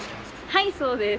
はいそうです。